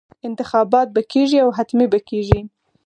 انتخابات به کېږي او حتمي به کېږي.